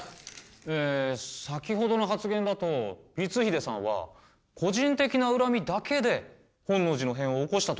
え先ほどの発言だと光秀さんは個人的な恨みだけで本能寺の変を起こしたということですか？